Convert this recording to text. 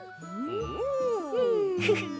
フフッ。